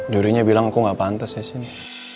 jurunya bilang aku gak pantes disini